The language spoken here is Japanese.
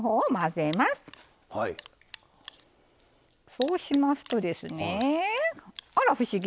そうしますとですねあら不思議！